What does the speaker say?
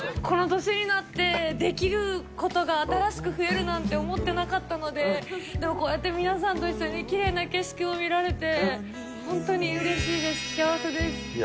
この年になってできることが新しく増えるなんて思ってなかったので、でもこうやって皆さんと一緒にきれいな景色を見られて、本当にうれしいです、幸せです。